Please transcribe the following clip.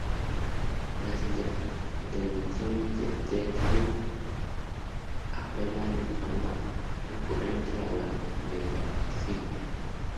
Las intervenciones de Deadpool apelan en forma recurrente a la metaficción.